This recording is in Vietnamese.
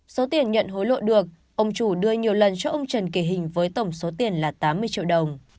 số tiền nhận hối lộ được ông chủ đưa nhiều lần cho ông trần kỳ hình với tổng số tiền là tám mươi triệu đồng